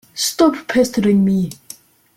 Stop pestering me!